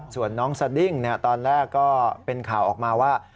ส่วนน้องสดิ้งตอนแรกก็เป็นข่าวออกมาว่า